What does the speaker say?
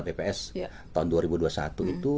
bps tahun dua ribu dua puluh satu itu